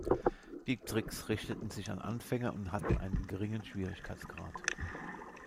Die Tricks richteten sich an Anfänger und hatten einen geringen Schwierigkeitsgrad.